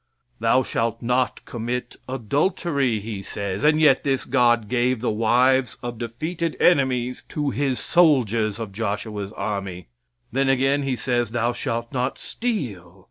"Thou shalt not commit adultery," he says, and yet this God gave the wives of defeated enemies to His soldiers of Joshua's army. Then again He says, "Thou shalt not steal."